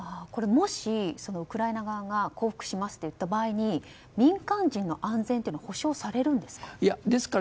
もしウクライナ側が降伏しますといった場合に民間人の安全は保証されるんですか。